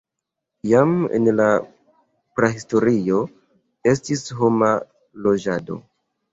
Jam en la prahistorio estis homa loĝado.